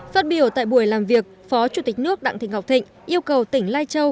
phát biểu tại buổi làm việc phó chủ tịch nước đặng thị ngọc thịnh yêu cầu tỉnh lai châu